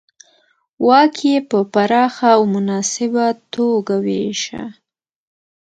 واک یې په پراخه او مناسبه توګه وېشه